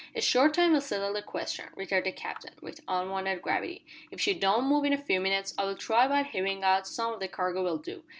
"A short time will settle the question," returned the Captain, with unwonted gravity. "If she don't move in a few minutes, I'll try what heaving out some o' the cargo will do.